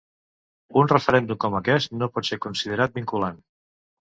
Un referèndum com aquest no pot ser considerat vinculant.